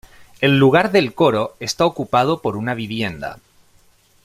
En lugar del coro está ocupado por una vivienda.